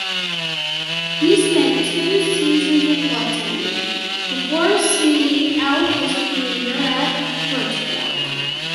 He spent two seasons with Luton, before seeing out his career at Brentford.